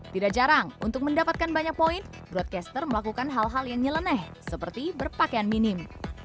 tidak jarang untuk mendapatkan banyak poin broadcaster melakukan hal hal yang nyeleneh seperti berpakaian minim